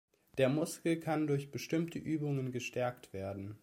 Der Muskel kann durch bestimmte Übungen gestärkt werden.